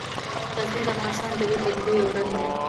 غزني د افغانستان د طبیعي پدیدو یو رنګ دی.